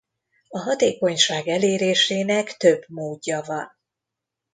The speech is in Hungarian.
A hatékonyság elérésének több módja van.